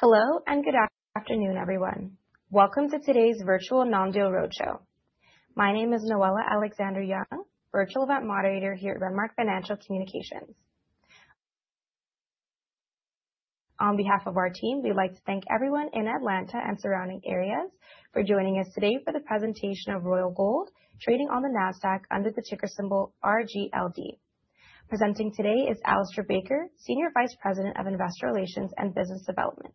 Hello and good afternoon, everyone. Welcome to today's virtual non-deal roadshow. My name is Noella Alexander-Young, Virtual Event Moderator here at Renmark Financial Communications. On behalf of our team, we'd like to thank everyone in Atlanta and surrounding areas for joining us today for the presentation of Royal Gold trading on the Nasdaq under the ticker symbol RGLD. Presenting today is Alistair Baker, Senior Vice President of Investor Relations and Business Development.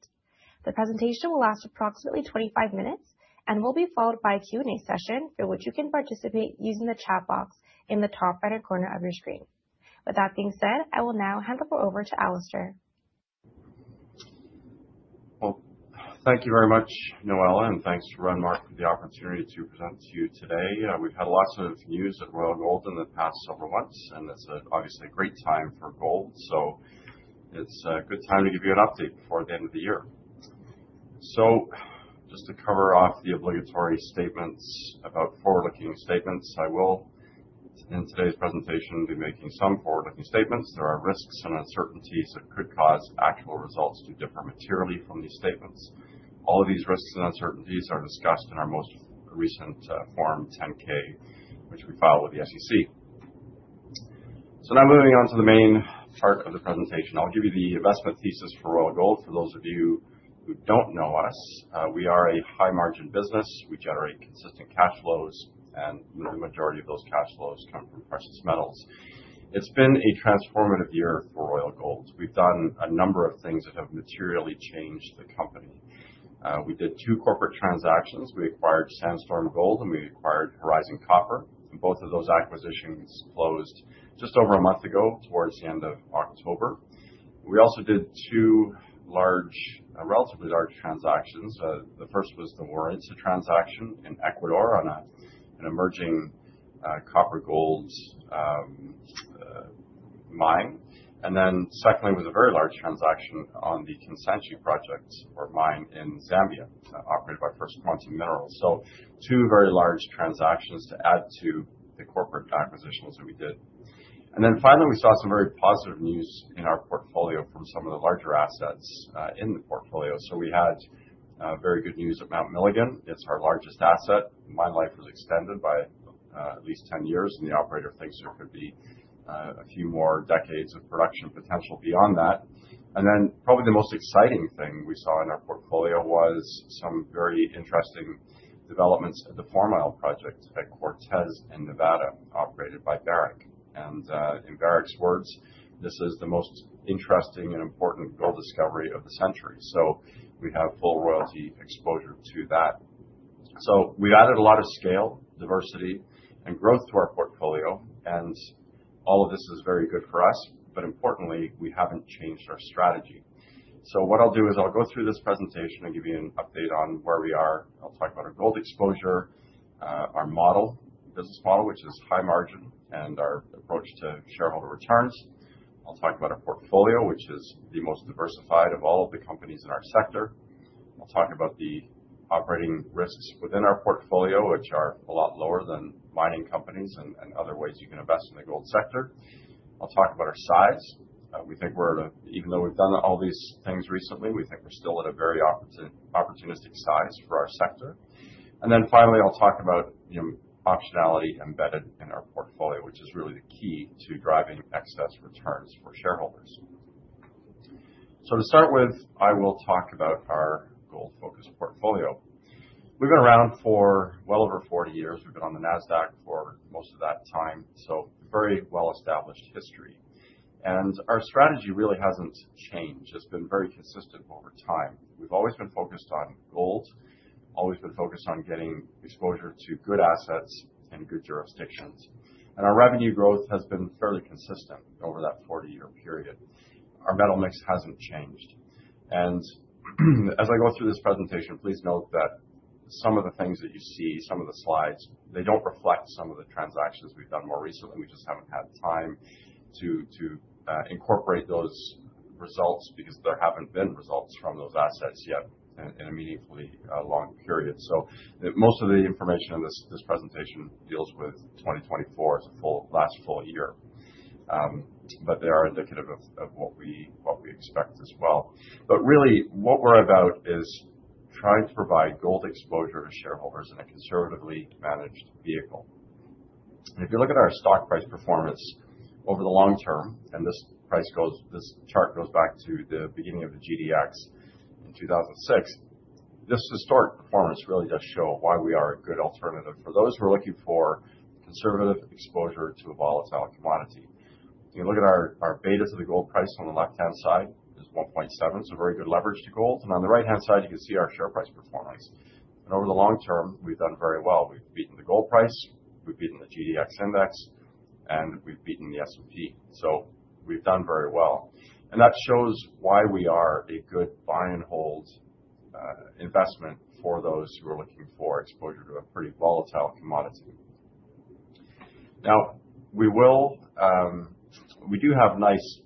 The presentation will last approximately 25 minutes and will be followed by a Q&A session for which you can participate using the chat box in the top right-hand corner of your screen. With that being said, I will now hand the floor over to Alistair. Thank you very much, Noella, and thanks to Renmark for the opportunity to present to you today. We've had lots of news at Royal Gold in the past several months, and it's obviously a great time for gold. It's a good time to give you an update before the end of the year. Just to cover off the obligatory statements about forward-looking statements, I will, in today's presentation, be making some forward-looking statements. There are risks and uncertainties that could cause actual results to differ materially from these statements. All of these risks and uncertainties are discussed in our most recent Form 10-K, which we filed with the SEC. Now moving on to the main part of the presentation, I'll give you the investment thesis for Royal Gold. For those of you who don't know us, we are a high-margin business. We generate consistent cash flows, and the majority of those cash flows come from precious metals. It's been a transformative year for Royal Gold. We've done a number of things that have materially changed the company. We did two corporate transactions. We acquired Sandstorm Gold, and we acquired Horizon Copper. And both of those acquisitions closed just over a month ago, towards the end of October. We also did two relatively large transactions. The first was the Warintza transaction in Ecuador on an emerging copper-gold mine. And then secondly, it was a very large transaction on the Kansanshi project, or mine, in Zambia, operated by First Quantum Minerals. So two very large transactions to add to the corporate acquisitions that we did. And then finally, we saw some very positive news in our portfolio from some of the larger assets in the portfolio. So we had very good news at Mount Milligan. It's our largest asset. Mine life was extended by at least 10 years, and the operator thinks there could be a few more decades of production potential beyond that. And then probably the most exciting thing we saw in our portfolio was some very interesting developments at the Fourmile project at Cortez in Nevada, operated by Barrick. And in Barrick's words, this is the most interesting and important gold discovery of the century. So we have full royalty exposure to that. So we've added a lot of scale, diversity, and growth to our portfolio. And all of this is very good for us. But importantly, we haven't changed our strategy. So what I'll do is I'll go through this presentation and give you an update on where we are. I'll talk about our gold exposure, our business model, which is high margin, and our approach to shareholder returns. I'll talk about our portfolio, which is the most diversified of all of the companies in our sector. I'll talk about the operating risks within our portfolio, which are a lot lower than mining companies and other ways you can invest in the gold sector. I'll talk about our size. We think we're, even though we've done all these things recently, we think we're still at a very opportunistic size for our sector. Then finally, I'll talk about optionality embedded in our portfolio, which is really the key to driving excess returns for shareholders. To start with, I will talk about our gold-focused portfolio. We've been around for well over 40 years. We've been on the Nasdaq for most of that time, so very well-established history. Our strategy really hasn't changed. It's been very consistent over time. We've always been focused on gold, always been focused on getting exposure to good assets in good jurisdictions. Our revenue growth has been fairly consistent over that 40-year period. Our metal mix hasn't changed. As I go through this presentation, please note that some of the things that you see, some of the slides, they don't reflect some of the transactions we've done more recently. We just haven't had time to incorporate those results because there haven't been results from those assets yet in a meaningfully long period. Most of the information in this presentation deals with 2024, the last full year. They are indicative of what we expect as well. Really, what we're about is trying to provide gold exposure to shareholders in a conservatively managed vehicle. If you look at our stock price performance over the long term, and this chart goes back to the beginning of the GDX in 2006, this historic performance really does show why we are a good alternative for those who are looking for conservative exposure to a volatile commodity. You look at our beta to the gold price on the left-hand side, is 1.7, so very good leverage to gold. On the right-hand side, you can see our share price performance. Over the long term, we've done very well. We've beaten the gold price. We've beaten the GDX index, and we've beaten the S&P, so we've done very well. That shows why we are a good buy-and-hold investment for those who are looking for exposure to a pretty volatile commodity. Now, we do have nice,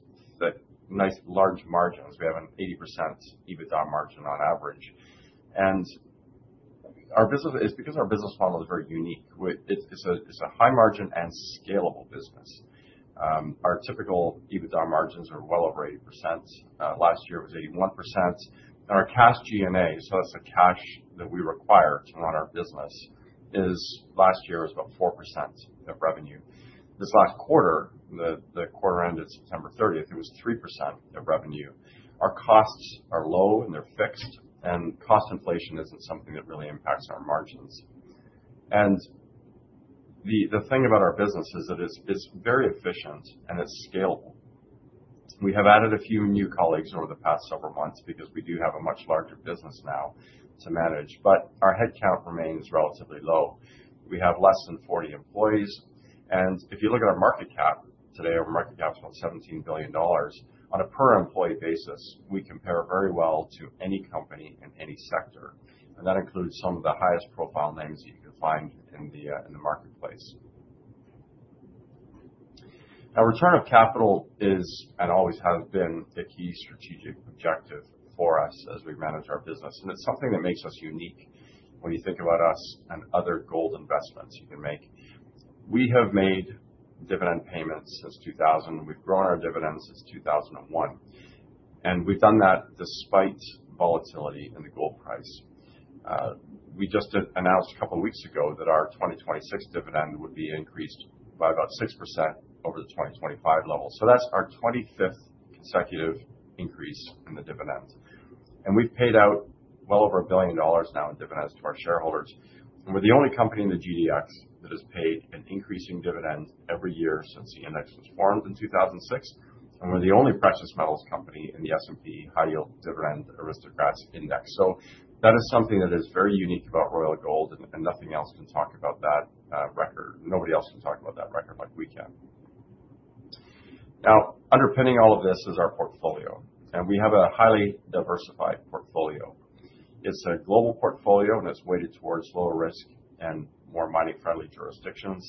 large margins. We have an 80% EBITDA margin on average. And it's because our business model is very unique. It's a high-margin and scalable business. Our typical EBITDA margins are well over 80%. Last year, it was 81%, and our cash G&A, so that's the cash that we require to run our business, last year was about 4% of revenue. This last quarter, the quarter ended September 30th, it was 3% of revenue. Our costs are low, and they're fixed, and cost inflation isn't something that really impacts our margins, and the thing about our business is that it's very efficient, and it's scalable. We have added a few new colleagues over the past several months because we do have a much larger business now to manage, but our headcount remains relatively low. We have less than 40 employees, and if you look at our market cap today, our market cap is about $17 billion. On a per-employee basis, we compare very well to any company in any sector, and that includes some of the highest-profile names that you can find in the marketplace. Now, return of capital is and always has been a key strategic objective for us as we manage our business, and it's something that makes us unique when you think about us and other gold investments you can make. We have made dividend payments since 2000. We've grown our dividends since 2001, and we've done that despite volatility in the gold price. We just announced a couple of weeks ago that our 2026 dividend would be increased by about 6% over the 2025 level, so that's our 25th consecutive increase in the dividends, and we've paid out well over $1 billion now in dividends to our shareholders. And we're the only company in the GDX that has paid an increasing dividend every year since the index was formed in 2006. And we're the only precious metals company in the S&P High Yield Dividend Aristocrats Index. So that is something that is very unique about Royal Gold, and nothing else can talk about that record. Nobody else can talk about that record like we can. Now, underpinning all of this is our portfolio. And we have a highly diversified portfolio. It's a global portfolio, and it's weighted towards lower risk and more mining-friendly jurisdictions.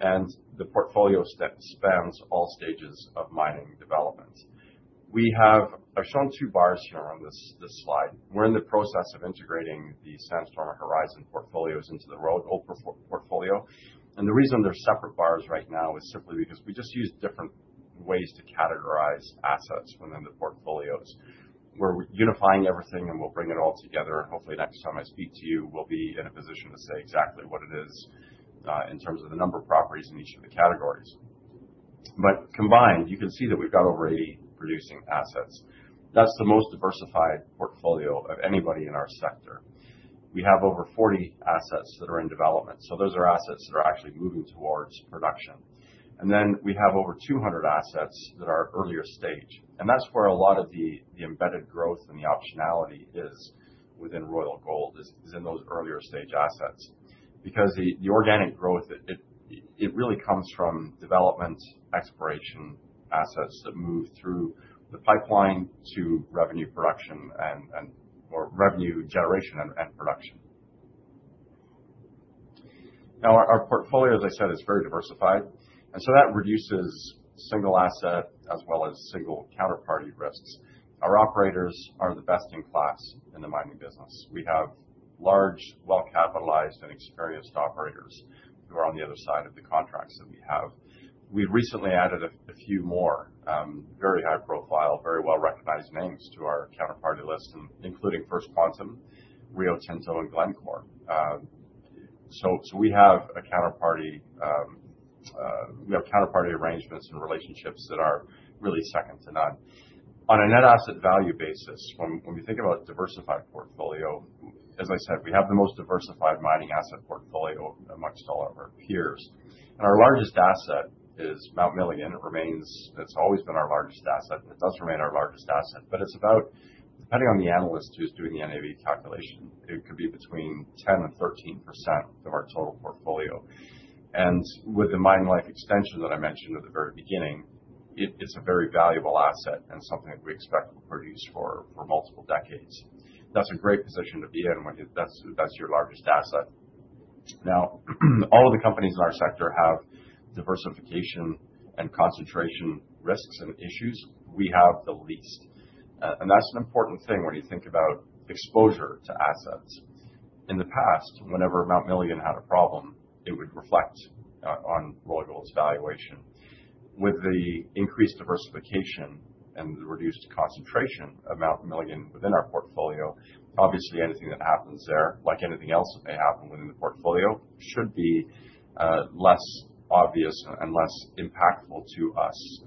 And the portfolio spans all stages of mining development. I've shown two bars here on this slide. We're in the process of integrating the Sandstorm and Horizon portfolios into the Royal Gold portfolio. And the reason there are separate bars right now is simply because we just use different ways to categorize assets within the portfolios. We're unifying everything, and we'll bring it all together. And hopefully, next time I speak to you, we'll be in a position to say exactly what it is in terms of the number of properties in each of the categories. But combined, you can see that we've got over 80 producing assets. That's the most diversified portfolio of anybody in our sector. We have over 40 assets that are in development. So those are assets that are actually moving towards production. And then we have over 200 assets that are earlier stage. And that's where a lot of the embedded growth and the optionality is within Royal Gold, is in those earlier stage assets. Because the organic growth, it really comes from development, exploration, assets that move through the pipeline to revenue generation and production. Now, our portfolio, as I said, is very diversified. And so that reduces single asset as well as single counterparty risks. Our operators are the best in class in the mining business. We have large, well-capitalized, and experienced operators who are on the other side of the contracts that we have. We recently added a few more very high-profile, very well-recognized names to our counterparty list, including First Quantum, Rio Tinto, and Glencore. So we have counterparty arrangements and relationships that are really second to none. On a net asset value basis, when we think about a diversified portfolio, as I said, we have the most diversified mining asset portfolio amongst all of our peers. And our largest asset is Mount Milligan. It's always been our largest asset. It does remain our largest asset, but it's about, depending on the analyst who's doing the NAV calculation, it could be between 10% and 13% of our total portfolio. With the mine life extension that I mentioned at the very beginning, it's a very valuable asset and something that we expect will produce for multiple decades. That's a great position to be in when that's your largest asset. Now, all of the companies in our sector have diversification and concentration risks and issues. We have the least, and that's an important thing when you think about exposure to assets. In the past, whenever Mount Milligan had a problem, it would reflect on Royal Gold's valuation. With the increased diversification and the reduced concentration of Mount Milligan within our portfolio, obviously, anything that happens there, like anything else that may happen within the portfolio, should be less obvious and less impactful to us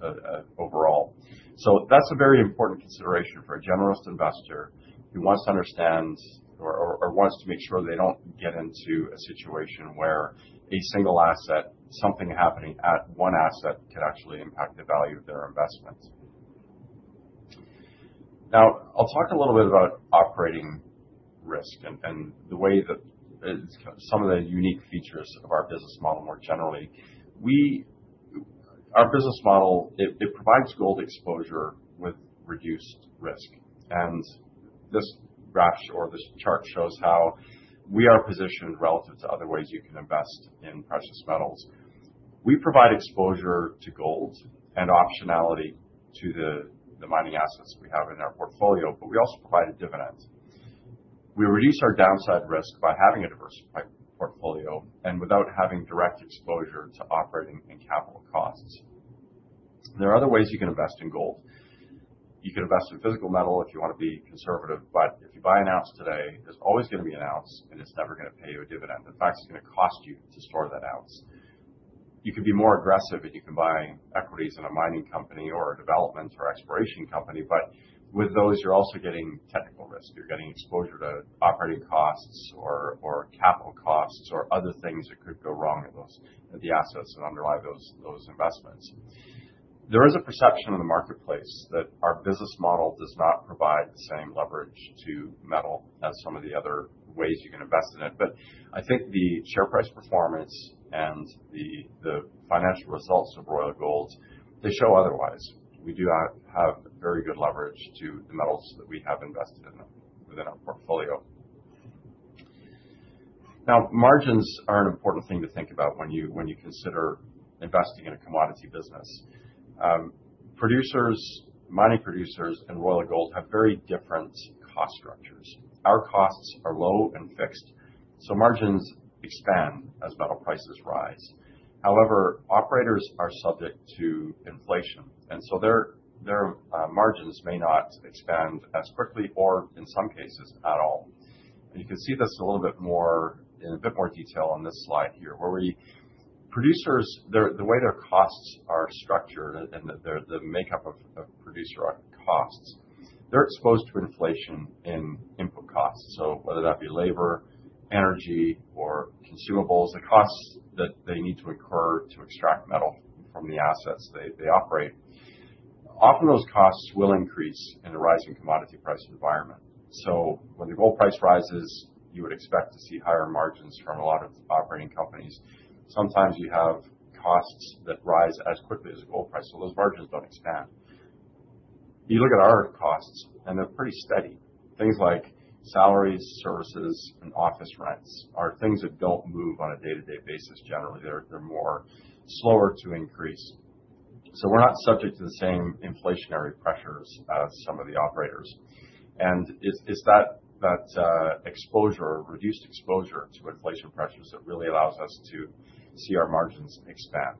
overall. So that's a very important consideration for a generalist investor who wants to understand or wants to make sure they don't get into a situation where a single asset, something happening at one asset could actually impact the value of their investment. Now, I'll talk a little bit about operating risk and some of the unique features of our business model more generally. Our business model, it provides gold exposure with reduced risk. And this graph or this chart shows how we are positioned relative to other ways you can invest in precious metals. We provide exposure to gold and optionality to the mining assets we have in our portfolio, but we also provide a dividend. We reduce our downside risk by having a diversified portfolio and without having direct exposure to operating and capital costs. There are other ways you can invest in gold. You can invest in physical metal if you want to be conservative. But if you buy an ounce today, there's always going to be an ounce, and it's never going to pay you a dividend. In fact, it's going to cost you to store that ounce. You can be more aggressive, and you can buy equities in a mining company or a development or exploration company. But with those, you're also getting technical risk. You're getting exposure to operating costs or capital costs or other things that could go wrong at the assets that underlie those investments. There is a perception in the marketplace that our business model does not provide the same leverage to metal as some of the other ways you can invest in it, but I think the share price performance and the financial results of Royal Gold, they show otherwise. We do have very good leverage to the metals that we have invested in within our portfolio. Now, margins are an important thing to think about when you consider investing in a commodity business. Mining producers and Royal Gold have very different cost structures. Our costs are low and fixed, so margins expand as metal prices rise. However, operators are subject to inflation, and so their margins may not expand as quickly or, in some cases, at all. You can see this a little bit more in a bit more detail on this slide here, where the way their costs are structured and the makeup of producer costs, they're exposed to inflation in input costs. So whether that be labor, energy, or consumables, the costs that they need to incur to extract metal from the assets they operate, often those costs will increase in a rising commodity price environment. So when the gold price rises, you would expect to see higher margins from a lot of operating companies. Sometimes you have costs that rise as quickly as the gold price, so those margins don't expand. You look at our costs, and they're pretty steady. Things like salaries, services, and office rents are things that don't move on a day-to-day basis generally. They're slower to increase. We're not subject to the same inflationary pressures as some of the operators. It's that exposure, reduced exposure to inflation pressures that really allows us to see our margins expand.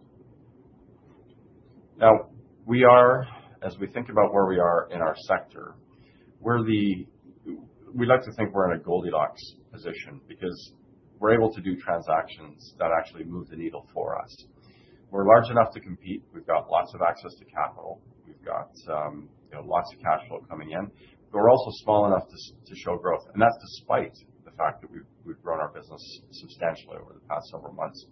Now, as we think about where we are in our sector, we'd like to think we're in a Goldilocks position because we're able to do transactions that actually move the needle for us. We're large enough to compete. We've got lots of access to capital. We've got lots of cash flow coming in. We're also small enough to show growth. That's despite the fact that we've grown our business substantially over the past several months.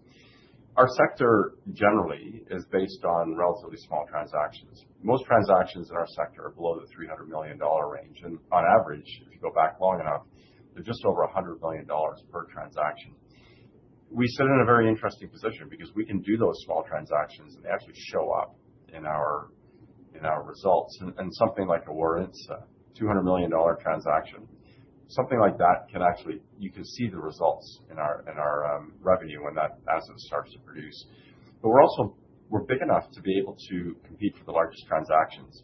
Our sector generally is based on relatively small transactions. Most transactions in our sector are below the $300 million range. On average, if you go back long enough, they're just over $100 million per transaction. We sit in a very interesting position because we can do those small transactions, and they actually show up in our results. And something like a Warintza, it's a $200 million transaction. Something like that can actually you can see the results in our revenue when that asset starts to produce. But we're big enough to be able to compete for the largest transactions.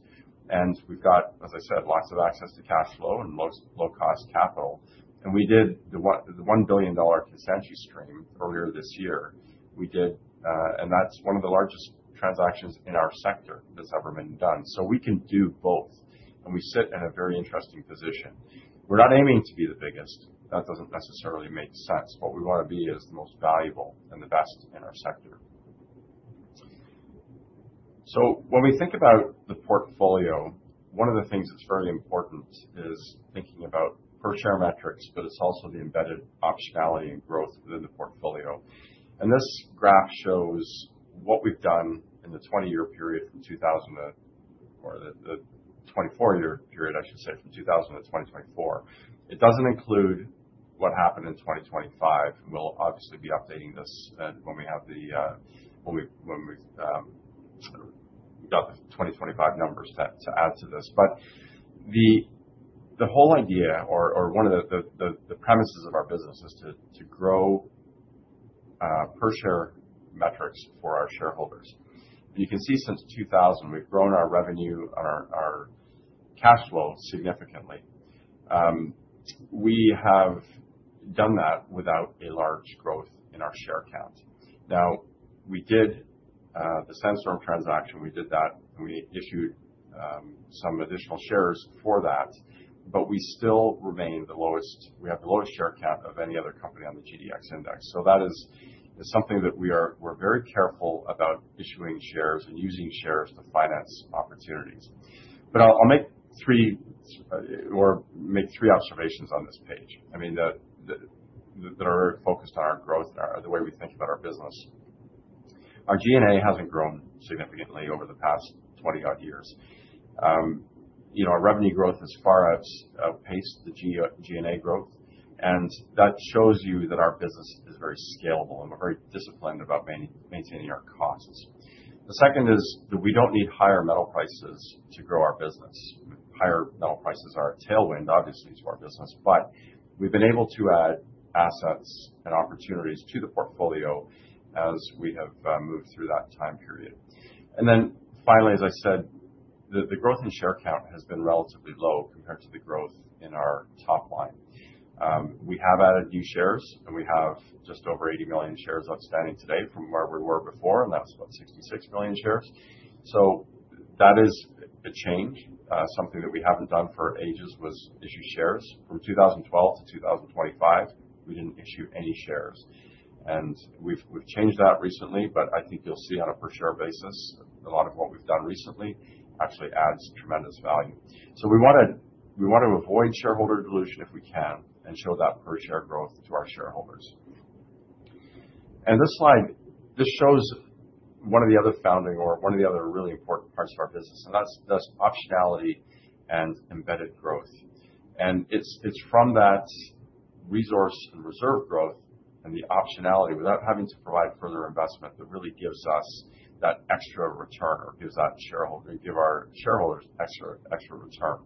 And we've got, as I said, lots of access to cash flow and low-cost capital. And we did the $1 billion Kansanshi stream earlier this year. And that's one of the largest transactions in our sector that's ever been done. So we can do both. And we sit in a very interesting position. We're not aiming to be the biggest. That doesn't necessarily make sense. What we want to be is the most valuable and the best in our sector. So when we think about the portfolio, one of the things that's very important is thinking about per-share metrics, but it's also the embedded optionality and growth within the portfolio. And this graph shows what we've done in the 20-year period from 2000 to or the 24-year period, I should say, from 2000 to 2024. It doesn't include what happened in 2025. We'll obviously be updating this when we've got the 2025 numbers to add to this. But the whole idea or one of the premises of our business is to grow per-share metrics for our shareholders. And you can see since 2000, we've grown our revenue and our cash flow significantly. We have done that without a large growth in our share count. Now, we did the Sandstorm transaction. We did that. We issued some additional shares for that. But we still remain the lowest. We have the lowest share count of any other company on the GDX index. So that is something that we're very careful about issuing shares and using shares to finance opportunities. But I'll make three observations on this page, I mean, that are very focused on our growth and the way we think about our business. Our G&A hasn't grown significantly over the past 20-odd years. Our revenue growth has far outpaced the G&A growth. And that shows you that our business is very scalable and we're very disciplined about maintaining our costs. The second is that we don't need higher metal prices to grow our business. Higher metal prices are a tailwind, obviously, to our business. But we've been able to add assets and opportunities to the portfolio as we have moved through that time period. Then finally, as I said, the growth in share count has been relatively low compared to the growth in our top line. We have added new shares, and we have just over 80 million shares outstanding today from where we were before, and that's about 66 million shares. That is a change. Something that we haven't done for ages was issue shares. From 2012 to 2025, we didn't issue any shares. We've changed that recently, but I think you'll see on a per-share basis, a lot of what we've done recently actually adds tremendous value. We want to avoid shareholder dilution if we can and show that per-share growth to our shareholders. This slide shows one of the other founding or one of the other really important parts of our business, and that's optionality and embedded growth. And it's from that resource and reserve growth and the optionality without having to provide further investment that really gives us that extra return or gives our shareholders extra return.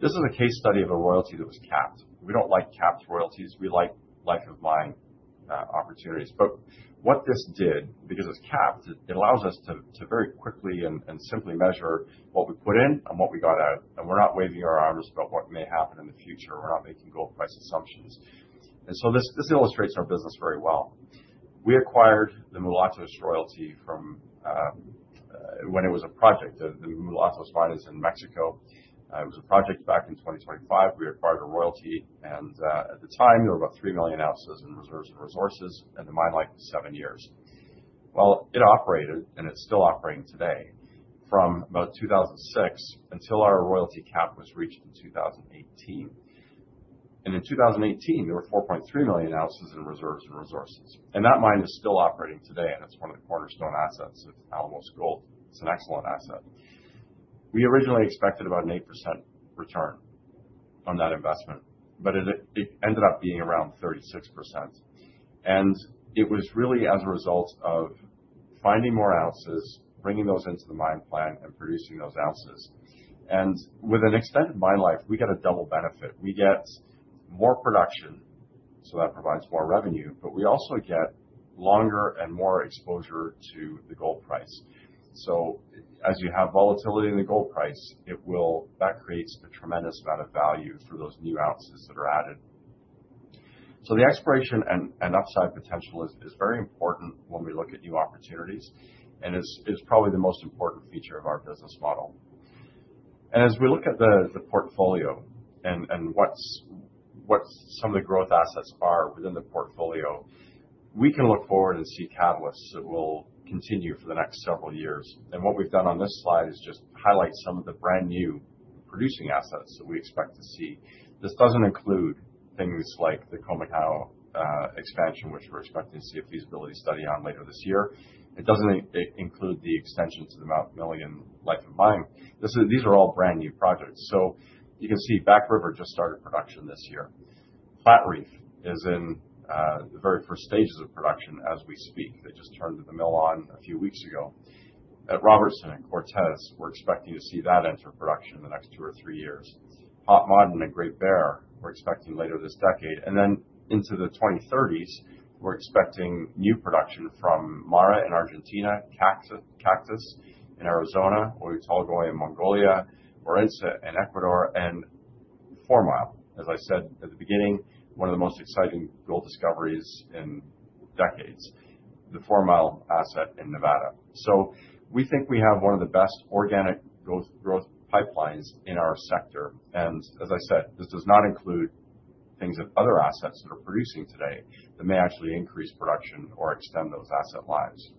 This is a case study of a royalty that was capped. We don't like capped royalties. We like life-of-mine opportunities. But what this did, because it was capped, it allows us to very quickly and simply measure what we put in and what we got out. And we're not waving our arms about what may happen in the future. We're not making gold price assumptions. And so this illustrates our business very well. We acquired the Mulatos royalty when it was a project. The Mulatos mine is in Mexico. It was a project back in 2005. We acquired a royalty. At the time, there were about three million ounces in reserves and resources, and the mine life was seven years. It operated, and it's still operating today, from about 2006 until our royalty cap was reached in 2018. In 2018, there were 4.3 million ounces in reserves and resources. That mine is still operating today, and it's one of the cornerstone assets of Alamos Gold. It's an excellent asset. We originally expected about an 8% return on that investment, but it ended up being around 36%. It was really as a result of finding more ounces, bringing those into the mine plan, and producing those ounces. With an extended mine life, we get a double benefit. We get more production, so that provides more revenue, but we also get longer and more exposure to the gold price. As you have volatility in the gold price, that creates a tremendous amount of value for those new ounces that are added. So the appreciation and upside potential is very important when we look at new opportunities. And it's probably the most important feature of our business model. And as we look at the portfolio and what some of the growth assets are within the portfolio, we can look forward and see catalysts that will continue for the next several years. And what we've done on this slide is just highlight some of the brand new producing assets that we expect to see. This doesn't include things like the Khoemacau expansion, which we're expecting to see a feasibility study on later this year. It doesn't include the extension to the Mount Milligan life of mine. These are all brand new projects. So you can see Back River just started production this year. Platreef is in the very first stages of production as we speak. They just turned the mill on a few weeks ago. At Robertson and Cortez, we're expecting to see that enter production in the next two or three years. Pueblo Viejo and Great Bear, we're expecting later this decade. And then into the 2030s, we're expecting new production from MARA in Argentina, Cactus in Arizona, Oyu Tolgoi in Mongolia, Warintza in Ecuador, and Fourmile. As I said at the beginning, one of the most exciting gold discoveries in decades, the Fourmile asset in Nevada. So we think we have one of the best organic growth pipelines in our sector. And as I said, this does not include the other assets that are producing today that may actually increase production or extend those asset lives.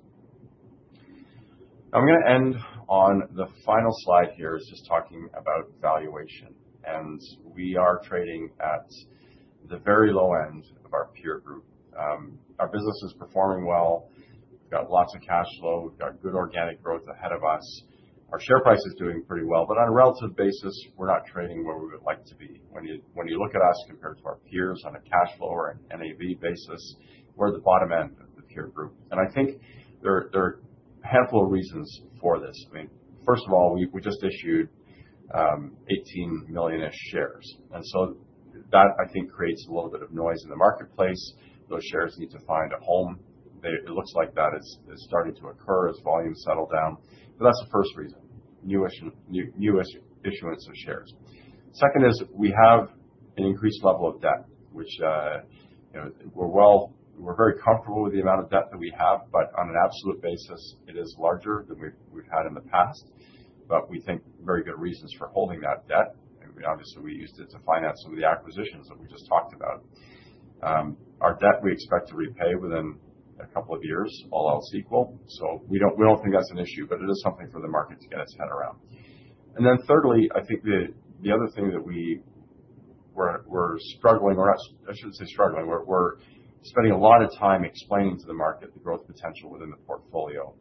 I'm going to end on the final slide. Here is just talking about valuation. And we are trading at the very low end of our peer group. Our business is performing well. We've got lots of cash flow. We've got good organic growth ahead of us. Our share price is doing pretty well. But on a relative basis, we're not trading where we would like to be. When you look at us compared to our peers on a cash flow or an NAV basis, we're at the bottom end of the peer group. And I think there are a handful of reasons for this. I mean, first of all, we just issued 18 million-ish shares. And so that, I think, creates a little bit of noise in the marketplace. Those shares need to find a home. It looks like that is starting to occur as volumes settle down. But that's the first reason: new issuance of shares. Second is we have an increased level of debt, which we're very comfortable with the amount of debt that we have, but on an absolute basis, it is larger than we've had in the past. But we think very good reasons for holding that debt. And obviously, we used it to finance some of the acquisitions that we just talked about. Our debt, we expect to repay within a couple of years, all else equal. So we don't think that's an issue, but it is something for the market to get its head around. And then thirdly, I think the other thing that we're struggling, or I shouldn't say struggling, we're spending a lot of time explaining to the market the growth potential within the portfolio.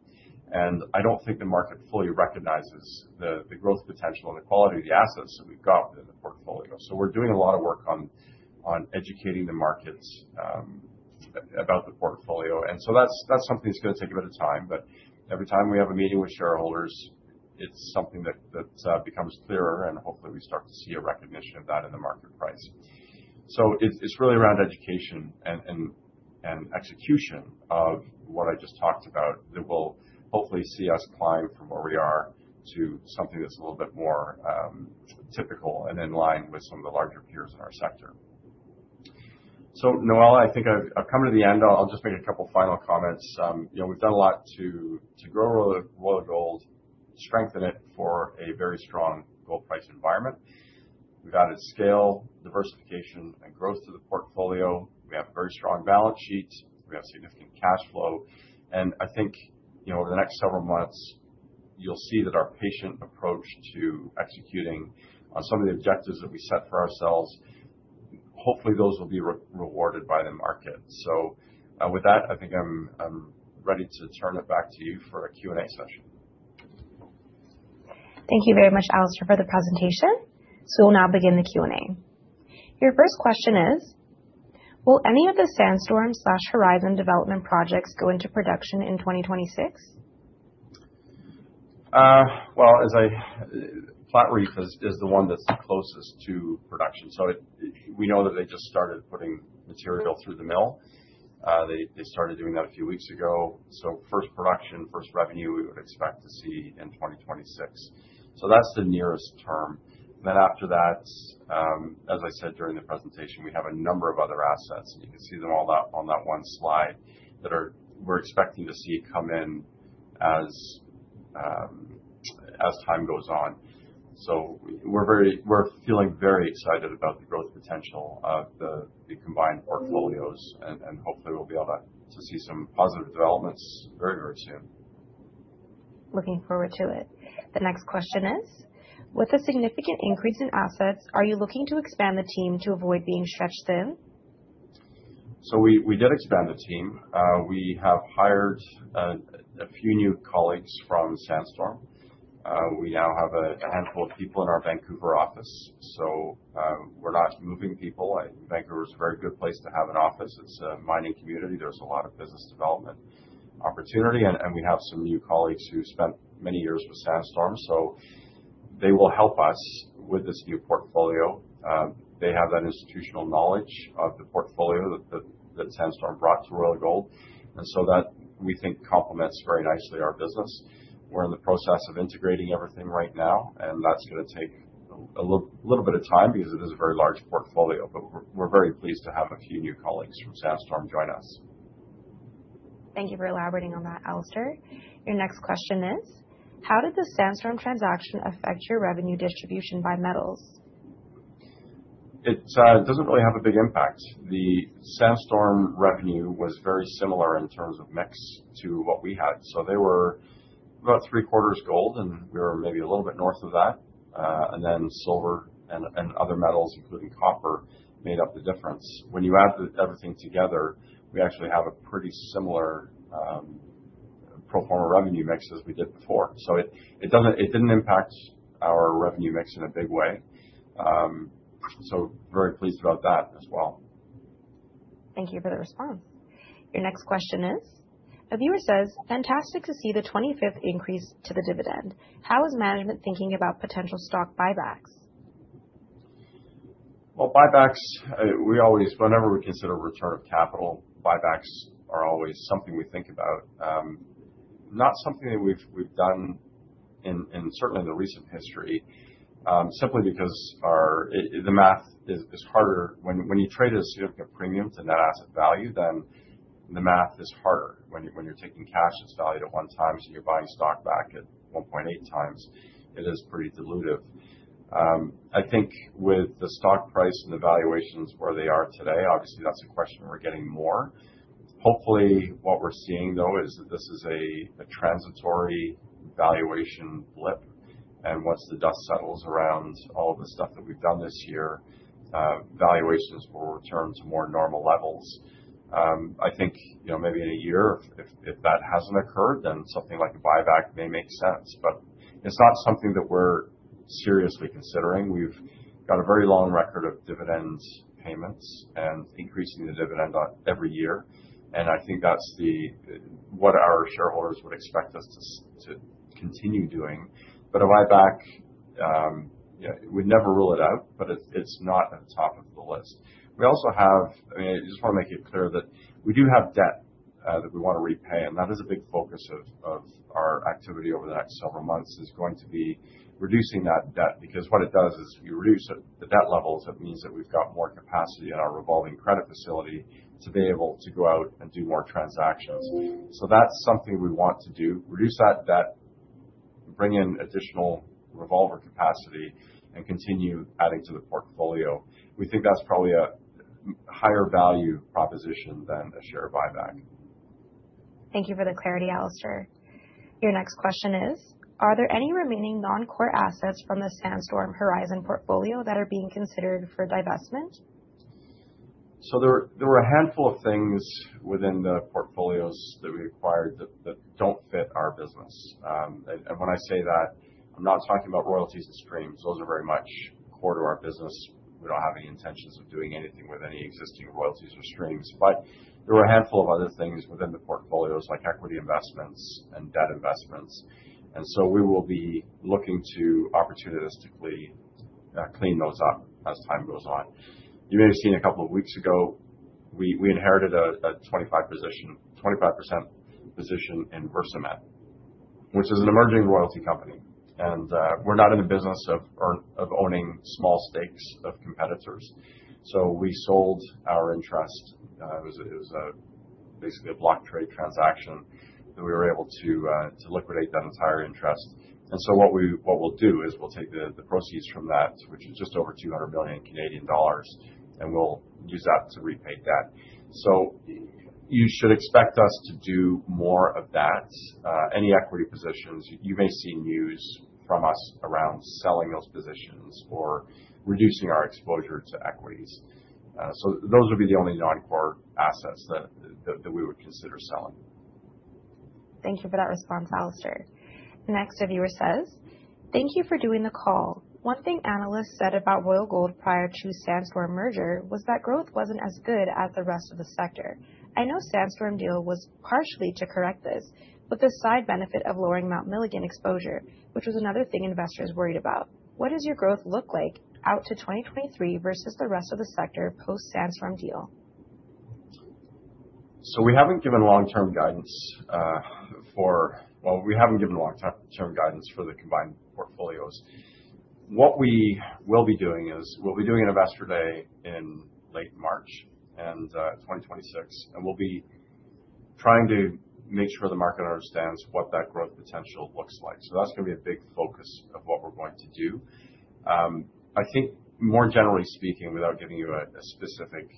And I don't think the market fully recognizes the growth potential and the quality of the assets that we've got within the portfolio. So we're doing a lot of work on educating the markets about the portfolio. And so that's something that's going to take a bit of time. But every time we have a meeting with shareholders, it's something that becomes clearer, and hopefully, we start to see a recognition of that in the market price. So it's really around education and execution of what I just talked about that will hopefully see us climb from where we are to something that's a little bit more typical and in line with some of the larger peers in our sector. So Noella, I think I've come to the end. I'll just make a couple of final comments. We've done a lot to grow Royal Gold, strengthen it for a very strong gold price environment. We've added scale, diversification, and growth to the portfolio. We have very strong balance sheets. We have significant cash flow. And I think over the next several months, you'll see that our patient approach to executing on some of the objectives that we set for ourselves, hopefully, those will be rewarded by the market. So with that, I think I'm ready to turn it back to you for a Q&A session. Thank you very much, Alistair, for the presentation. So we'll now begin the Q&A. Your first question is, will any of the Sandstorm/Horizon development projects go into production in 2026? Well, as I said, Platreef is the one that's closest to production. So we know that they just started putting material through the mill. They started doing that a few weeks ago. So first production, first revenue, we would expect to see in 2026. So that's the nearest term. Then after that, as I said during the presentation, we have a number of other assets. You can see them all on that one slide that we're expecting to see come in as time goes on. So we're feeling very excited about the growth potential of the combined portfolios. And hopefully, we'll be able to see some positive developments very, very soon. Looking forward to it. The next question is, with a significant increase in assets, are you looking to expand the team to avoid being stretched thin? So we did expand the team. We have hired a few new colleagues from Sandstorm. We now have a handful of people in our Vancouver office. So we're not moving people. Vancouver is a very good place to have an office. It's a mining community. There's a lot of business development opportunity, and we have some new colleagues who spent many years with Sandstorm, so they will help us with this new portfolio. They have that institutional knowledge of the portfolio that Sandstorm brought to Royal Gold, and so that, we think, complements very nicely our business. We're in the process of integrating everything right now, and that's going to take a little bit of time because it is a very large portfolio, but we're very pleased to have a few new colleagues from Sandstorm join us. Thank you for elaborating on that, Alistair. Your next question is, how did the Sandstorm transaction affect your revenue distribution by metals? It doesn't really have a big impact. The Sandstorm revenue was very similar in terms of mix to what we had. So they were about three-quarters gold, and we were maybe a little bit north of that. And then silver and other metals, including copper, made up the difference. When you add everything together, we actually have a pretty similar pro forma revenue mix as we did before. So it didn't impact our revenue mix in a big way. So very pleased about that as well. Thank you for the response. Your next question is, a viewer says, "Fantastic to see the 25th increase to the dividend. How is management thinking about potential stock buybacks?" Well, buybacks, whenever we consider return of capital, buybacks are always something we think about. Not something that we've done in certainly the recent history, simply because the math is harder. When you trade a significant premium to net asset value, then the math is harder. When you're taking cash that's valued at one times and you're buying stock back at 1.8 times, it is pretty dilutive. I think with the stock price and the valuations where they are today, obviously, that's a question we're getting more. Hopefully, what we're seeing, though, is that this is a transitory valuation blip, and once the dust settles around all of the stuff that we've done this year, valuations will return to more normal levels. I think maybe in a year, if that hasn't occurred, then something like a buyback may make sense, but it's not something that we're seriously considering. We've got a very long record of dividend payments and increasing the dividend every year, and I think that's what our shareholders would expect us to continue doing, but a buyback, we'd never rule it out, but it's not at the top of the list. We also have, I mean, I just want to make it clear that we do have debt that we want to repay, and that is a big focus of our activity over the next several months, is going to be reducing that debt. Because what it does is we reduce the debt levels. It means that we've got more capacity in our revolving credit facility to be able to go out and do more transactions, so that's something we want to do: reduce that debt, bring in additional revolver capacity, and continue adding to the portfolio. We think that's probably a higher value proposition than a share buyback. Thank you for the clarity, Alistair. Your next question is, are there any remaining non-core assets from the Sandstorm Horizon portfolio that are being considered for divestment? There were a handful of things within the portfolios that we acquired that don't fit our business. And when I say that, I'm not talking about royalties and streams. Those are very much core to our business. We don't have any intentions of doing anything with any existing royalties or streams. But there were a handful of other things within the portfolios, like equity investments and debt investments. And so we will be looking to opportunistically clean those up as time goes on. You may have seen a couple of weeks ago, we inherited a 25% position in Versamet, which is an emerging royalty company. And we're not in the business of owning small stakes of competitors. So we sold our interest. It was basically a block trade transaction that we were able to liquidate that entire interest. And so what we'll do is we'll take the proceeds from that, which is just over 200 million Canadian dollars, and we'll use that to repay debt. So you should expect us to do more of that. Any equity positions, you may see news from us around selling those positions or reducing our exposure to equities. So those would be the only non-core assets that we would consider selling. Thank you for that response, Alistair. Next, a viewer says, "Thank you for doing the call. One thing analysts said about Royal Gold prior to Sandstorm merger was that growth wasn't as good as the rest of the sector. I know Sandstorm deal was partially to correct this, but the side benefit of lowering Mount Milligan exposure, which was another thing investors worried about. What does your growth look like out to 2023 versus the rest of the sector post-Sandstorm deal?" So we haven't given long-term guidance for the combined portfolios. What we will be doing is we'll be doing an investor day in late March in 2026. And we'll be trying to make sure the market understands what that growth potential looks like. So that's going to be a big focus of what we're going to do. I think, more generally speaking, without giving you a specific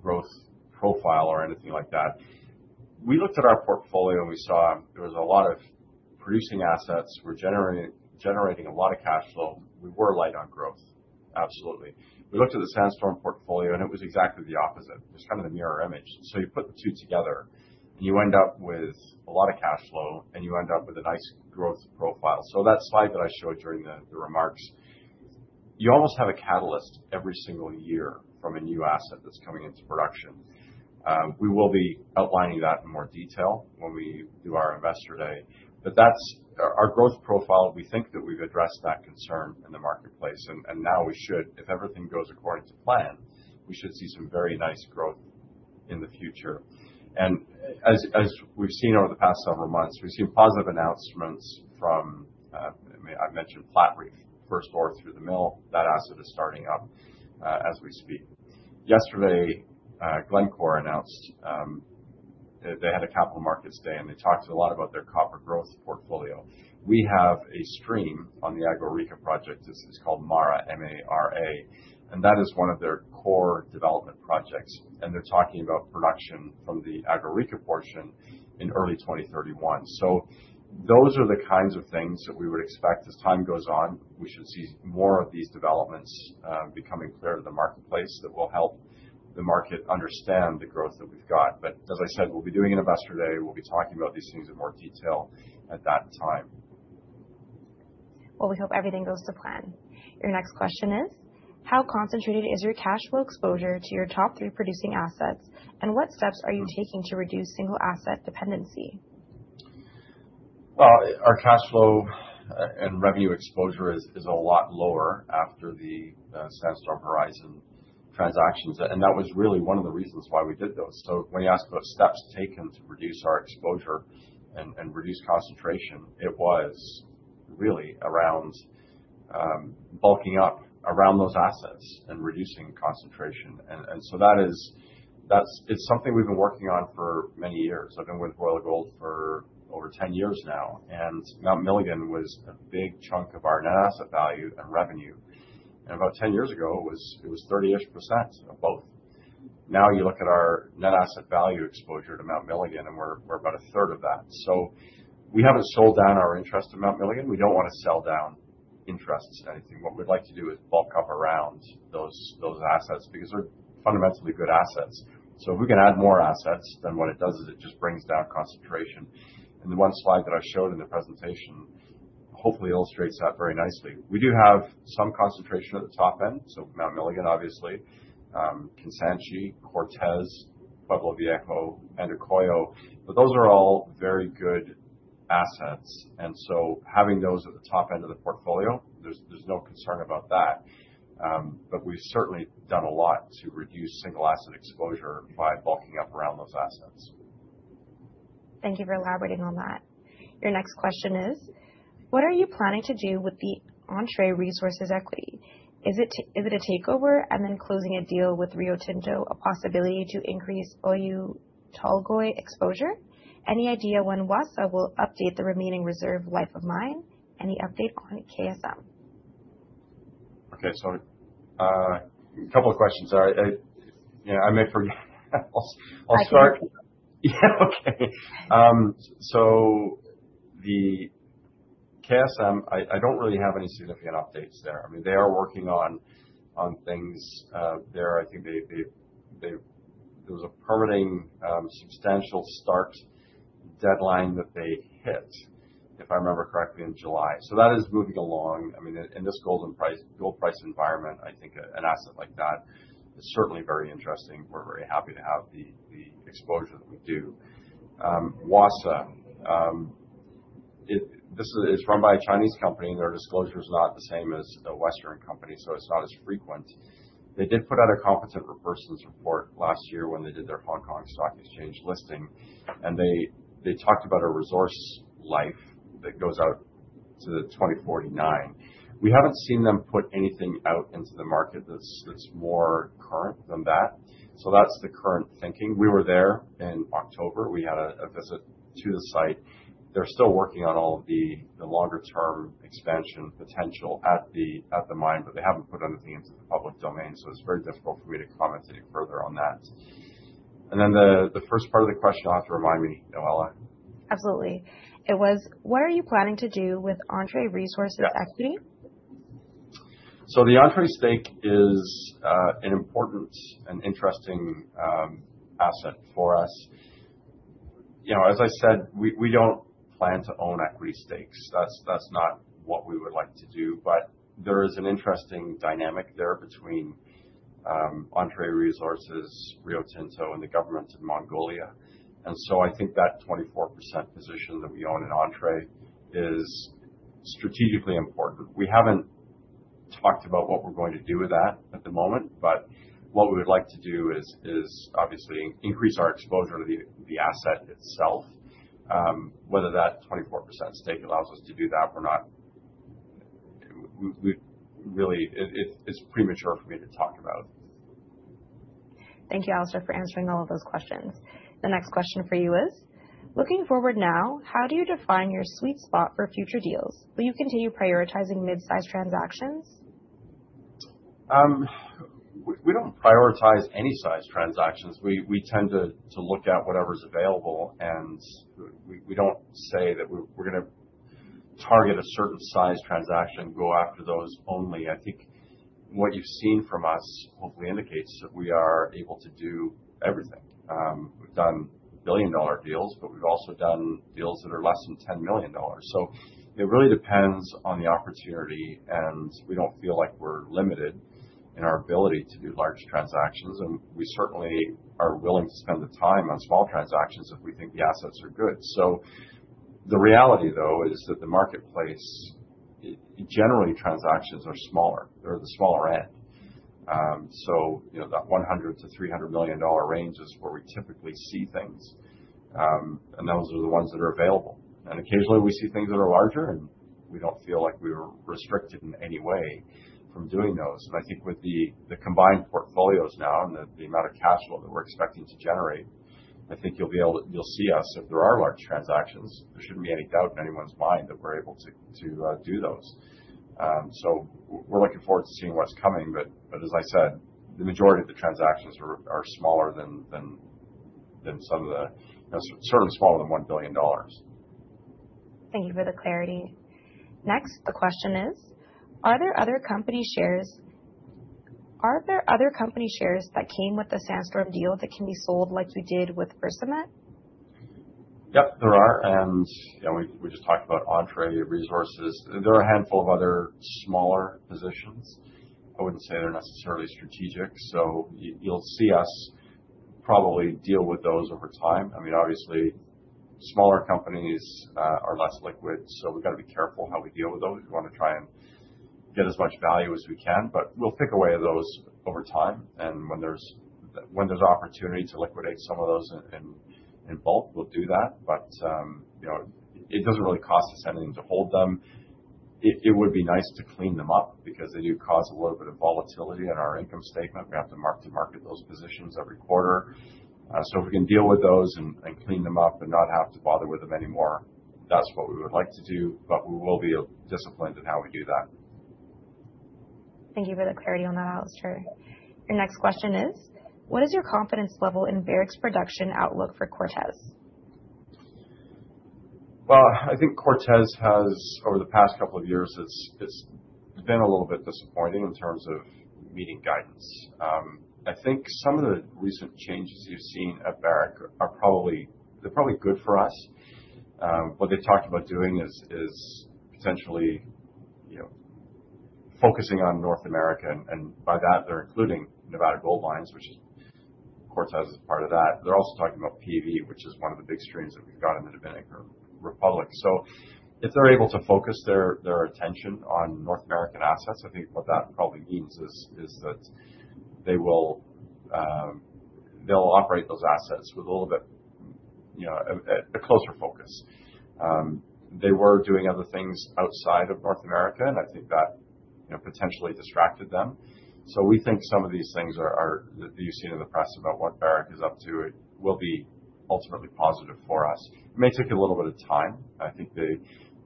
growth profile or anything like that, we looked at our portfolio and we saw there was a lot of producing assets. We're generating a lot of cash flow. We were light on growth, absolutely. We looked at the Sandstorm portfolio and it was exactly the opposite. It was kind of the mirror image. So you put the two together and you end up with a lot of cash flow and you end up with a nice growth profile. So that slide that I showed during the remarks, you almost have a catalyst every single year from a new asset that's coming into production. We will be outlining that in more detail when we do our investor day. But that's our growth profile. We think that we've addressed that concern in the marketplace. And now we should, if everything goes according to plan, we should see some very nice growth in the future. And as we've seen over the past several months, we've seen positive announcements from, I mentioned, Platreef, first ore through the mill. That asset is starting up as we speak. Yesterday, Glencore announced they had a capital markets day and they talked a lot about their copper growth portfolio. We have a stream on the Agua Rica project. It's called MARA, M-A-R-A. And that is one of their core development projects. And they're talking about production from the Agua Rica portion in early 2031. So those are the kinds of things that we would expect as time goes on. We should see more of these developments becoming clear to the marketplace that will help the market understand the growth that we've got. But as I said, we'll be doing an investor day. We'll be talking about these things in more detail at that time. Well, we hope everything goes to plan. Your next question is, how concentrated is your cash flow exposure to your top three producing assets? And what steps are you taking to reduce single asset dependency? Well, our cash flow and revenue exposure is a lot lower after the Sandstorm Horizon transactions. That was really one of the reasons why we did those. So when you ask about steps taken to reduce our exposure and reduce concentration, it was really around bulking up around those assets and reducing concentration. That is something we've been working on for many years. I've been with Royal Gold for over 10 years now. Mount Milligan was a big chunk of our net asset value and revenue. About 10 years ago, it was 30%-ish of both. Now you look at our net asset value exposure to Mount Milligan, and we're about a third of that. We haven't sold down our interest in Mount Milligan. We don't want to sell down interests or anything. What we'd like to do is bulk up around those assets because they're fundamentally good assets. So if we can add more assets, then what it does is it just brings down concentration. And the one slide that I showed in the presentation hopefully illustrates that very nicely. We do have some concentration at the top end. So Mount Milligan, obviously, Kansanshi, Cortez, Pueblo Viejo, Andacollo. But those are all very good assets. And so having those at the top end of the portfolio, there's no concern about that. But we've certainly done a lot to reduce single asset exposure by bulking up around those assets. Thank you for elaborating on that. Your next question is, what are you planning to do with the Entrée Resources equity? Is it a takeover and then closing a deal with Rio Tinto, a possibility to increase Oyu Tolgoi exposure? Any idea when Wassa will update the remaining reserve life of mine? Any update on KSM? Okay. A couple of questions. I may forget. I'll start. Yeah. Okay. The KSM, I don't really have any significant updates there. I mean, they are working on things there. I think there was a permitting substantial start deadline that they hit, if I remember correctly, in July. That is moving along. I mean, in this gold price environment, I think an asset like that is certainly very interesting. We're very happy to have the exposure that we do. Wassa, this is run by a Chinese company. Their disclosure is not the same as a Western company, so it's not as frequent. They did put out a Competent Person's Report last year when they did their Hong Kong Stock Exchange listing. They talked about a resource life that goes out to 2049. We haven't seen them put anything out into the market that's more current than that. That's the current thinking. We were there in October. We had a visit to the site. They're still working on all of the longer-term expansion potential at the mine, but they haven't put anything into the public domain. It's very difficult for me to comment any further on that. Then the first part of the question, you'll have to remind me, Noella. Absolutely. It was, what are you planning to do with Entrée Resources equity? The Entrée stake is an important and interesting asset for us. As I said, we don't plan to own equity stakes. That's not what we would like to do. There is an interesting dynamic there between Entrée Resources, Rio Tinto, and the government of Mongolia. I think that 24% position that we own in Entrée is strategically important. We haven't talked about what we're going to do with that at the moment. But what we would like to do is obviously increase our exposure to the asset itself. Whether that 24% stake allows us to do that, we're not really, it's premature for me to talk about. Thank you, Alistair, for answering all of those questions. The next question for you is, looking forward now, how do you define your sweet spot for future deals? Will you continue prioritizing mid-size transactions? We don't prioritize any size transactions. We tend to look at whatever's available. And we don't say that we're going to target a certain size transaction and go after those only. I think what you've seen from us hopefully indicates that we are able to do everything. We've done billion-dollar deals, but we've also done deals that are less than $10 million. So it really depends on the opportunity. And we don't feel like we're limited in our ability to do large transactions. And we certainly are willing to spend the time on small transactions if we think the assets are good. So the reality, though, is that the marketplace, generally, transactions are smaller. They're the smaller end. So that $100 million-$300 million range is where we typically see things. And those are the ones that are available. And occasionally, we see things that are larger, and we don't feel like we were restricted in any way from doing those. And I think with the combined portfolios now and the amount of cash flow that we're expecting to generate, I think you'll be able to, you'll see us if there are large transactions. There shouldn't be any doubt in anyone's mind that we're able to do those. So we're looking forward to seeing what's coming. But as I said, the majority of the transactions are smaller than some of the, certainly smaller than $1 billion. Thank you for the clarity. Next, the question is, are there other company shares? Are there other company shares that came with the Sandstorm deal that can be sold like you did with Versamet? Yep, there are. And we just talked about Entrée Resources. There are a handful of other smaller positions. I wouldn't say they're necessarily strategic. So you'll see us probably deal with those over time. I mean, obviously, smaller companies are less liquid. So we've got to be careful how we deal with those. We want to try and get as much value as we can. But we'll pick away at those over time. And when there's opportunity to liquidate some of those in bulk, we'll do that. But it doesn't really cost us anything to hold them. It would be nice to clean them up because they do cause a little bit of volatility in our income statement. We have to mark to market those positions every quarter. So if we can deal with those and clean them up and not have to bother with them anymore, that's what we would like to do. But we will be disciplined in how we do that. Thank you for the clarity on that, Alistair. Your next question is, what is your confidence level in Barrick production outlook for Cortez? Well, I think Cortez has, over the past couple of years, it's been a little bit disappointing in terms of meeting guidance. I think some of the recent changes you've seen at Barrick, they're probably good for us. What they've talked about doing is potentially focusing on North America. And by that, they're including Nevada Gold Mines, which is Cortez as part of that. They're also talking about PV, which is one of the big streams that we've got in the Dominican Republic. So if they're able to focus their attention on North American assets, I think what that probably means is that they will operate those assets with a little bit of a closer focus. They were doing other things outside of North America, and I think that potentially distracted them. So we think some of these things that you've seen in the press about what Barrick is up to will be ultimately positive for us. It may take a little bit of time. I think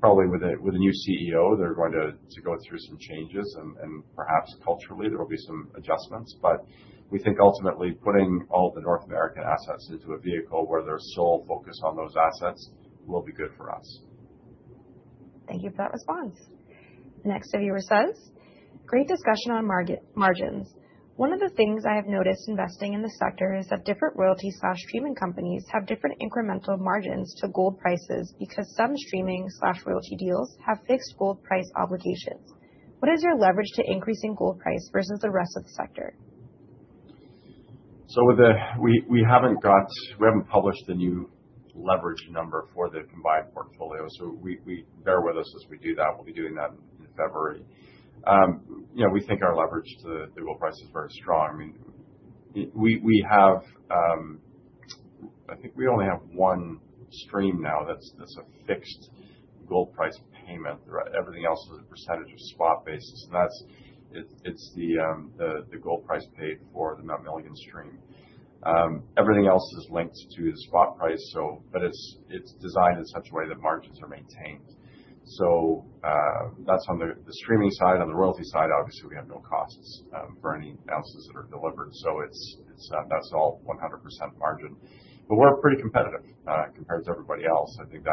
probably with a new CEO, they're going to go through some changes. And perhaps culturally, there will be some adjustments. But we think ultimately putting all the North American assets into a vehicle where their sole focus is on those assets will be good for us. Thank you for that response. The next of you says, great discussion on margins. One of the things I have noticed investing in the sector is that different royalty/streaming companies have different incremental margins to gold prices because some streaming/royalty deals have fixed gold price obligations. What is your leverage to increasing gold price versus the rest of the sector? We haven't published a new leverage number for the combined portfolio. Bear with us as we do that. We'll be doing that in February. We think our leverage to the gold price is very strong. I mean, I think we only have one stream now that's a fixed gold price payment. Everything else is a percentage of spot basis. It's the gold price paid for the Mount Milligan stream. Everything else is linked to the spot price. But it's designed in such a way that margins are maintained. So that's on the streaming side. On the royalty side, obviously, we have no costs for any ounces that are delivered. So that's all 100% margin. But we're pretty competitive compared to everybody else. I think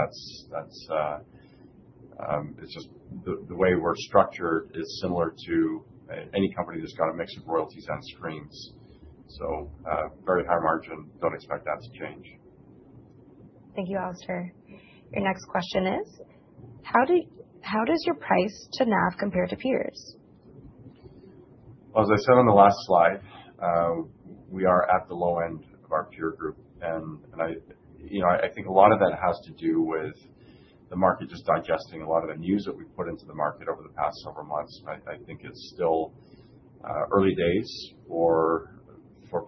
it's just the way we're structured is similar to any company that's got a mix of royalties and streams. So very high margin. Don't expect that to change. Thank you, Alistair. Your next question is, how does your price to NAV compare to peers? Well, as I said on the last slide, we are at the low end of our peer group. And I think a lot of that has to do with the market just digesting a lot of the news that we've put into the market over the past several months. I think it's still early days for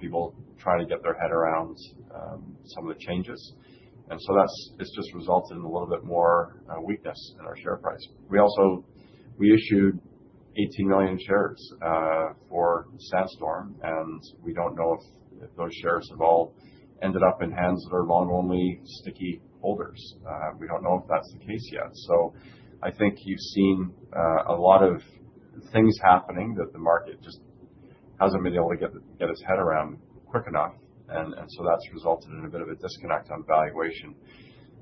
people trying to get their head around some of the changes. And so it's just resulted in a little bit more weakness in our share price. We issued 18 million shares for Sandstorm. And we don't know if those shares have all ended up in hands that are long-only sticky holders. We don't know if that's the case yet. So I think you've seen a lot of things happening that the market just hasn't been able to get its head around quick enough. And so that's resulted in a bit of a disconnect on valuation.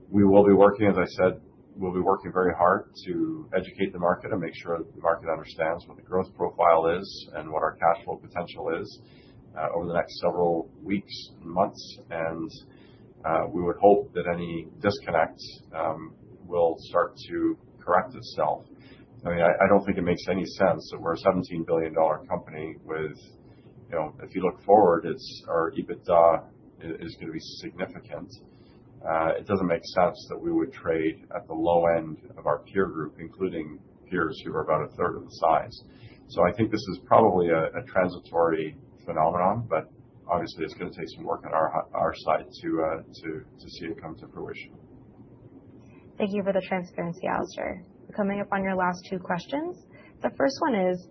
We will be working, as I said, we'll be working very hard to educate the market and make sure that the market understands what the growth profile is and what our cash flow potential is over the next several weeks and months. And we would hope that any disconnect will start to correct itself. I mean, I don't think it makes any sense that we're a $17 billion company with, if you look forward, our EBITDA is going to be significant. It doesn't make sense that we would trade at the low end of our peer group, including peers who are about a third of the size. So I think this is probably a transitory phenomenon. But obviously, it's going to take some work on our side to see it come to fruition. Thank you for the transparency, Alistair. We're coming up on your last two questions. The first one is,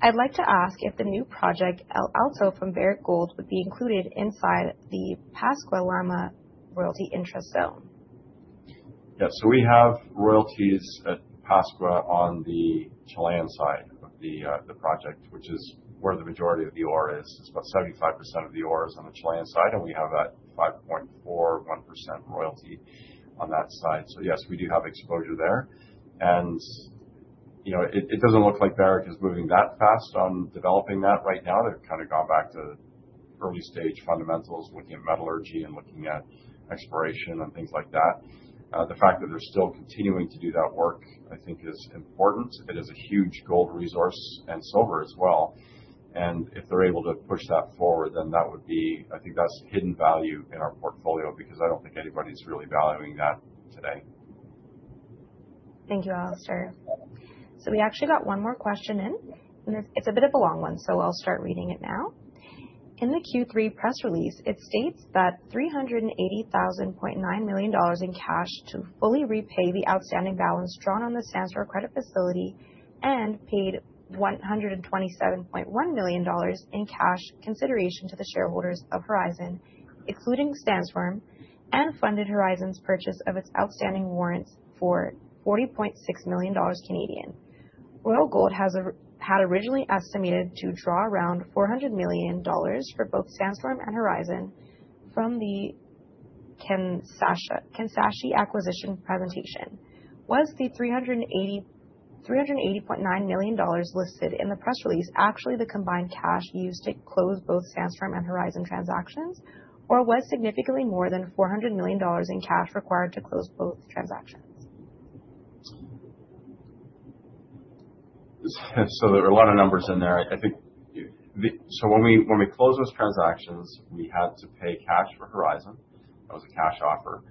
I'd like to ask if the new project El Alto from Barrick Gold would be included inside the Pascua-Llama Royalty Interest Zone. Yeah. So we have royalties at Pascua-Llama on the Chilean side of the project, which is where the majority of the ore is. It's about 75% of the ore is on the Chilean side. And we have that 5.41% royalty on that side. So yes, we do have exposure there. And it doesn't look like Barrick is moving that fast on developing that right now. They've kind of gone back to early-stage fundamentals, looking at metallurgy and looking at exploration and things like that. The fact that they're still continuing to do that work, I think, is important. It is a huge gold resource and silver as well. And if they're able to push that forward, then that would be, I think that's hidden value in our portfolio because I don't think anybody's really valuing that today. Thank you, Alistair. So we actually got one more question in. And it's a bit of a long one. So I'll start reading it now. In the Q3 press release, it states that $380.9 million in cash to fully repay the outstanding balance drawn on the Sandstorm credit facility and paid $127.1 million in cash consideration to the shareholders of Horizon, excluding Sandstorm, and funded Horizon's purchase of its outstanding warrants for 40.6 million Canadian dollars. Royal Gold had originally estimated to draw around $400 million for both Sandstorm and Horizon from the Sandstorm acquisition presentation. Was the $380.9 million listed in the press release actually the combined cash used to close both Sandstorm and Horizon transactions, or was significantly more than $400 million in cash required to close both transactions? So there are a lot of numbers in there. I think so when we closed those transactions, we had to pay cash for Horizon. That was a cash offer.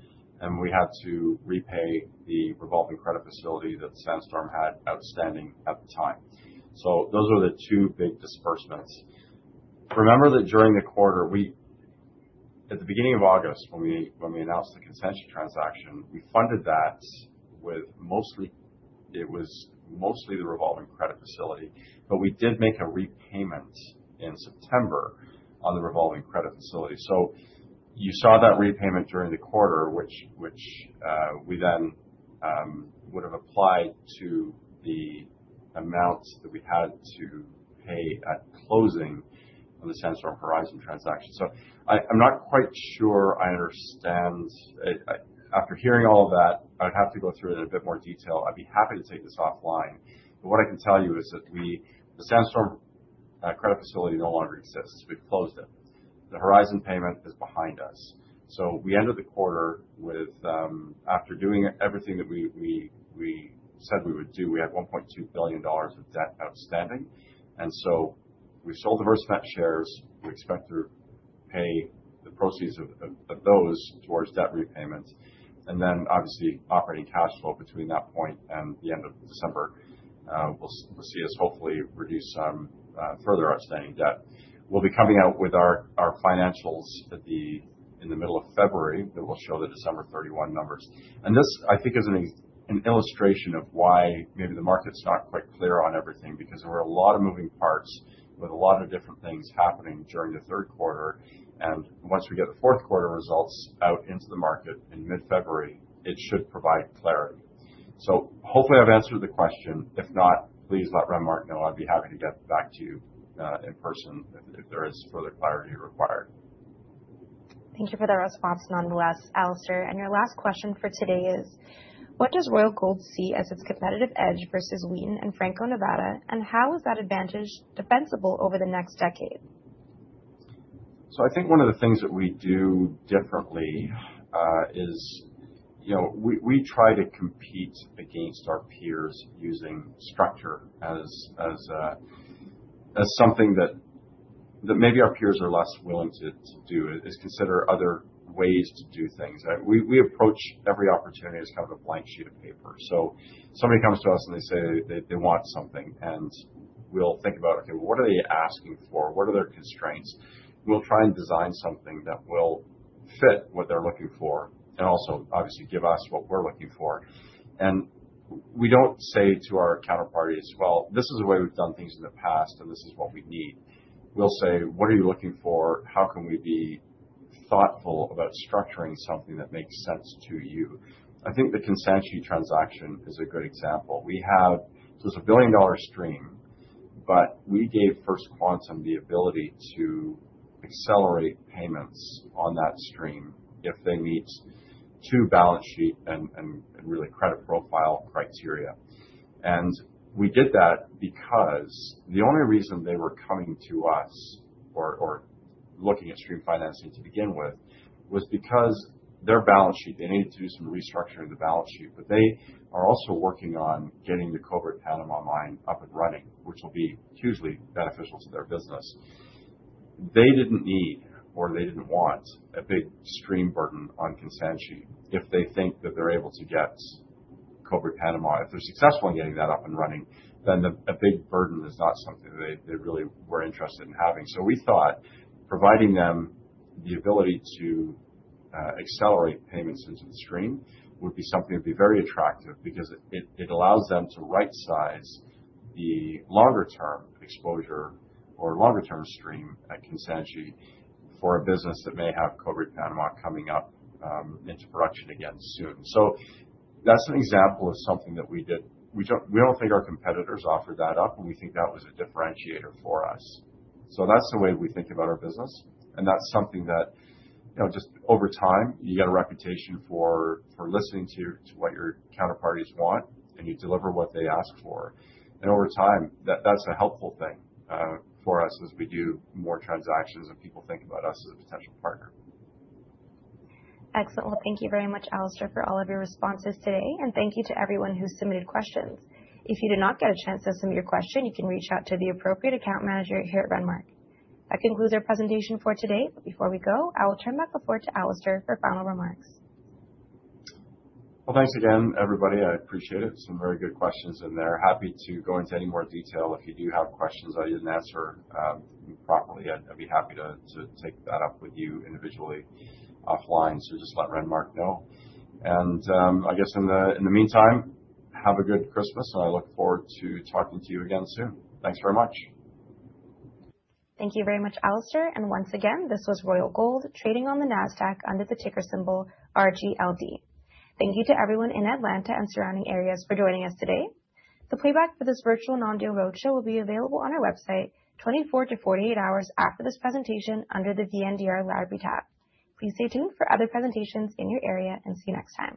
And we had to repay the revolving credit facility that Sandstorm had outstanding at the time. So those were the two big disbursements. Remember that during the quarter, at the beginning of August, when we announced the acquisition transaction, we funded that with mostly the revolving credit facility. But we did make a repayment in September on the revolving credit facility. So you saw that repayment during the quarter, which we then would have applied to the amount that we had to pay at closing on the Sandstorm Horizon transaction. So I'm not quite sure I understand. After hearing all of that, I would have to go through it in a bit more detail. I'd be happy to take this offline. But what I can tell you is that the Sandstorm credit facility no longer exists. We've closed it. The Horizon payment is behind us. So we ended the quarter with, after doing everything that we said we would do, we had $1.2 billion of debt outstanding. And so we sold the Versamet shares. We expect to pay the proceeds of those towards debt repayment. And then, obviously, operating cash flow between that point and the end of December will see us hopefully reduce some further outstanding debt. We'll be coming out with our financials in the middle of February that will show the December 31 numbers. And this, I think, is an illustration of why maybe the market's not quite clear on everything because there were a lot of moving parts with a lot of different things happening during the third quarter. And once we get the fourth quarter results out into the market in mid-February, it should provide clarity. So hopefully, I've answered the question. If not, please let Renmark know. I'd be happy to get back to you in person if there is further clarity required. Thank you for that response, nonetheless, Alistair. And your last question for today is, what does Royal Gold see as its competitive edge versus Wheaton and Franco-Nevada? And how is that advantage defensible over the next decade? So I think one of the things that we do differently is we try to compete against our peers using structure as something that maybe our peers are less willing to do is consider other ways to do things. We approach every opportunity as kind of a blank sheet of paper. So somebody comes to us and they say they want something. And we'll think about, okay, well, what are they asking for? What are their constraints? We'll try and design something that will fit what they're looking for and also, obviously, give us what we're looking for. And we don't say to our counterparties, well, this is the way we've done things in the past, and this is what we need. We'll say, what are you looking for? How can we be thoughtful about structuring something that makes sense to you? I think the Cobre transaction is a good example. We have a $1 billion stream, but we gave First Quantum the ability to accelerate payments on that stream if they meet two balance sheet and really credit profile criteria, and we did that because the only reason they were coming to us or looking at stream financing to begin with was because their balance sheet, they needed to do some restructuring of the balance sheet, but they are also working on getting the Cobre Panama line up and running, which will be hugely beneficial to their business. They didn't need or they didn't want a big stream burden on Cobre if they think that they're able to get Cobre Panama. If they're successful in getting that up and running, then a big burden is not something they really were interested in having. So we thought providing them the ability to accelerate payments into the stream would be something that would be very attractive because it allows them to right-size the longer-term exposure or longer-term stream at contention for a business that may have Cobre Panama coming up into production again soon. So that's an example of something that we did. We don't think our competitors offered that up, and we think that was a differentiator for us. So that's the way we think about our business. And that's something that just over time, you get a reputation for listening to what your counterparties want, and you deliver what they ask for. And over time, that's a helpful thing for us as we do more transactions and people think about us as a potential partner. Excellent. Well, thank you very much, Alistair, for all of your responses today. Thank you to everyone who submitted questions. If you did not get a chance to submit your question, you can reach out to the appropriate account manager here at Renmark. That concludes our presentation for today. Before we go, I will turn back the floor to Alistair for final remarks. Thanks again, everybody. I appreciate it. Some very good questions in there. Happy to go into any more detail. If you do have questions I didn't answer properly, I'd be happy to take that up with you individually offline. Just let Renmark know. I guess in the meantime, have a good Christmas. I look forward to talking to you again soon. Thanks very much. Thank you very much, Alistair. And once again, this was Royal Gold trading on the Nasdaq under the ticker symbol RGLD. Thank you to everyone in Atlanta and surrounding areas for joining us today. The playback for this virtual non-deal roadshow will be available on our website 24-48 hours after this presentation under the VNDR Library tab. Please stay tuned for other presentations in your area and see you next time.